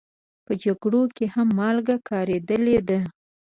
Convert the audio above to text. په جګړو کې هم مالګه کارېدلې ده.